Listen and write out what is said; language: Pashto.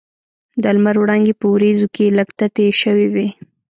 د لمر وړانګې په وریځو کې لږ تتې شوې وې.